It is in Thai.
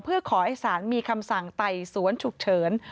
เพื่อขอให้ศาลมีคำสั่งไต่สวนฉุกเฉิน